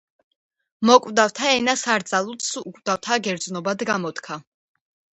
მოკვდავსა ენას არ ძალუძს უკვდავთა გერძნობათ გამოთქა